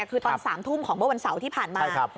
คือตอน๓ทุ่มของเมื่อวันเสาร์ที่ผ่านมา